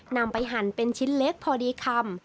นำไปหั่นเป็นชิ้นเล็กพอดีคำ